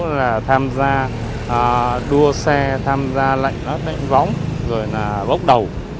là tham gia đua xe tham gia lạnh võng rồi là bốc đầu